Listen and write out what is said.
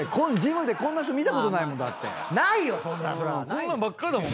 こんなんばっかりだもん。